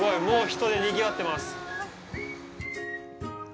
もう人でにぎわってます。